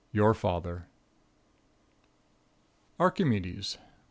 Your Father. Archimedes.